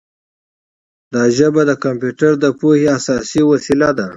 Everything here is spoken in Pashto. دا ژبه د کمپیوټر د پوهې اساسي وسیله ده.